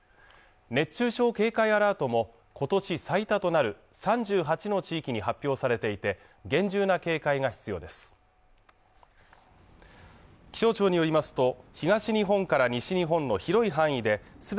熱中症警戒アラートも今年最多となる３８の地域に発表されていて厳重な警戒が必要です